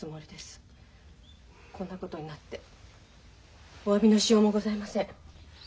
こんなことになってお詫びのしようもございません。